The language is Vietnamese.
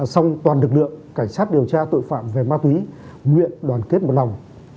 xong toàn lực lượng cảnh sát điều tra tội phạm về ma túy nguyện đoàn kết một lòng